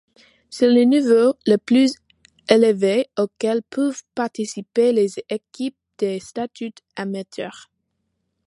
C'est le niveau le plus élevé auquel peuvent participer les équipes de statut amateur.